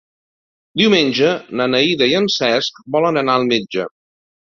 Diumenge na Neida i en Cesc volen anar al metge.